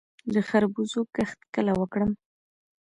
د خربوزو کښت کله وکړم؟